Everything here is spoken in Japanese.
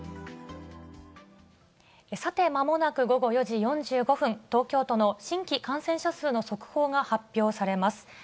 さて、まもなく午後４時４５分、東京都の新規感染者数の速報が発表されます。